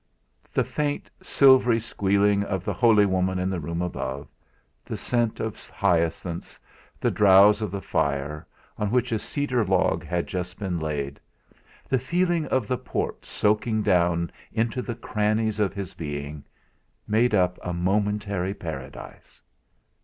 The faint silvery squealing of the holy woman in the room above, the scent of hyacinths, the drowse of the fire, on which a cedar log had just been laid, the feeling of the port soaking down into the crannies of his being, made up a momentary Paradise.